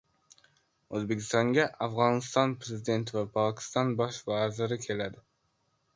O‘zbekistonga Afg‘oniston prezidenti va Pokiston bosh vaziri keladi